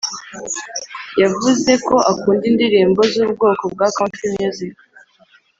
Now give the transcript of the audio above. yavuze ko akunda indirimbo zu bwoko bwa country music